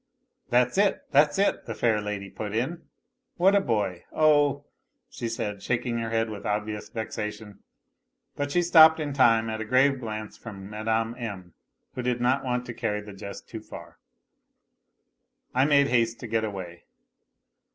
" That's it, that's it !" the fair lady put in. " What a boy ! Oh !" she said, shaking her head with obvious vexation, but she stopped in time at a grave glance from Mme. M., who did not want to carry the jest too far. I made haste to get away.